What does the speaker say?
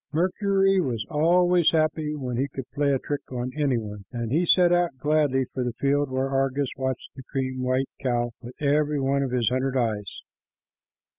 Mercury was always happy when he could play a trick on any one, and he set out gladly for the field where Argus watched the cream white cow with every one of his hundred eyes.